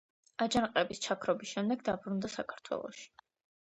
აჯანყების ჩაქრობის შემდეგ დაბრუნდა საქართველოში.